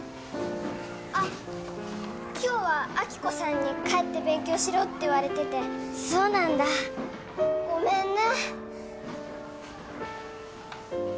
あっ今日は亜希子さんに帰って勉強しろって言われててそうなんだごめんね